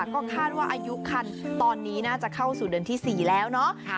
ก็คาดว่าอายุคันตอนนี้น่าจะเข้าสู่เดือนที่๔แล้วเนาะ